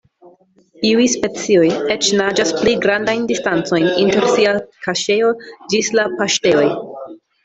Iuj specioj eĉ naĝas pli grandajn distancojn inter sia kaŝejo ĝis la "paŝtejoj".